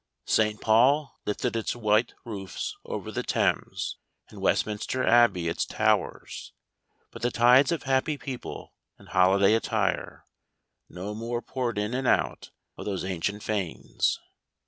St. Paul lifted its white roofs over the Thames, and West minster Abbey its towers, but the tides of happy people in holiday attire no more poured in and out of those ancient fanes.